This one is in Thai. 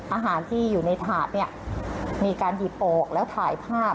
อาหารที่อยู่ในถาดเนี่ยมีการหยิบออกแล้วถ่ายภาพ